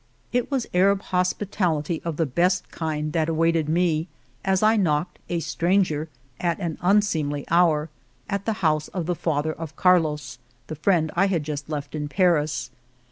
It was Arab hospitality of the best kind that awaited me as I knocked, a stranger at an unseemly hour, at the house of the father of Carlos, the friend I had just left in Paris.